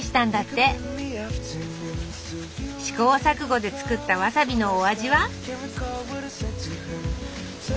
試行錯誤で作ったわさびのお味は？